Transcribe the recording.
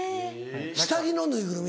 下着のぬいぐるみ？